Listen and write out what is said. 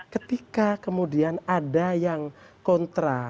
ketika kemudian ada yang kontra